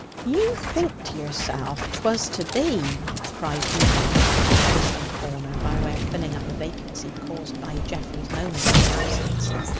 "You think to yourself, 'twas to be," cried Enoch from his distant corner, by way of filling up the vacancy caused by Geoffrey's momentary absence.